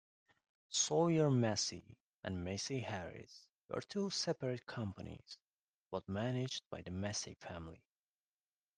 Sawyer-Massey and Massey-Harris were two separate companies, both managed by the Massey family.